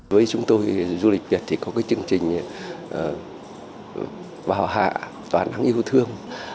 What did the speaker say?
với chúng tôi du lịch việt thì có cái chương trình vào hạ toán nắng yêu thương